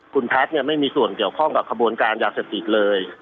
คุณแพทย์เนี่ยไม่มีส่วนเกี่ยวข้องกับขบวนการยาเสพติดเลย